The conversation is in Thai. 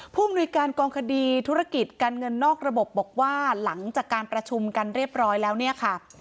มนุยการกองคดีธุรกิจการเงินนอกระบบบอกว่าหลังจากการประชุมกันเรียบร้อยแล้วเนี่ยค่ะ